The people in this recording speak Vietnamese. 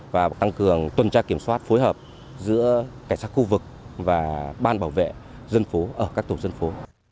và tăng cường tuần tra kiểm soát phối hợp giữa cảnh sát khu vực và ban bảo vệ dân phố ở các tổ dân phố